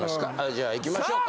じゃあいきましょうか。